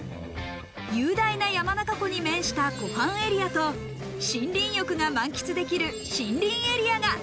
雄大な山中湖に面した湖畔エリアと森林浴が満喫できる森林エリアが。